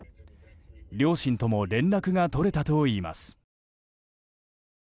両親とも連絡が取れたといいます。